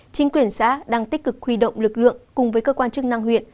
chính quyền xã đang tích cực huy động lực lượng cùng với cơ quan chức năng huyện